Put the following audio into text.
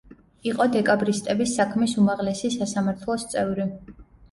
იყო დეკაბრისტების საქმის უმაღლესი სასამართლოს წევრი.